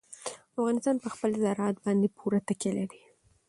افغانستان په خپل زراعت باندې پوره تکیه لري.